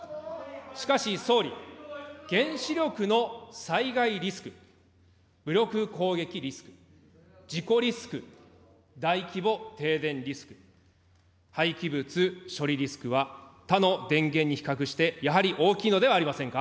しかし、総理、原子力の災害リスク、武力攻撃リスク、事故リスク、大規模停電リスク、廃棄物処理リスクは他の電源に比較してやはり大きいのではありませんか。